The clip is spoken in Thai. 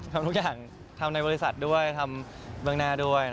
ทำทุกอย่างทำในบริษัทด้วยทำเบื้องหน้าด้วย